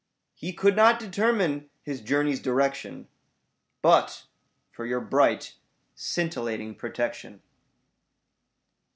He could not determine his journey's direction But for your bright scintillating protection.